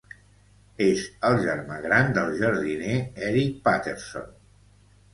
És el germà gran del jardiner Eric Patterson.